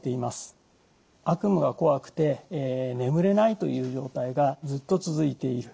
悪夢がこわくて眠れないという状態がずっと続いている。